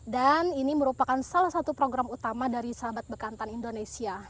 ini merupakan salah satu program utama dari sahabat bekantan indonesia